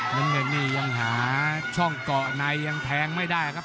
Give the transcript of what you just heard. น้ำเงินนี่ยังหาช่องเกาะในยังแทงไม่ได้ครับ